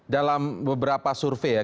dalam beberapa survei